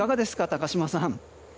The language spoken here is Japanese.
高島さん。